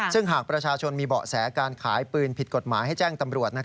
ซึ่งหากประชาชนมีเบาะแสการขายปืนผิดกฎหมายให้แจ้งตำรวจ